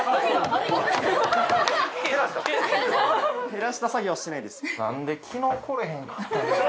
減らした詐欺はしてないです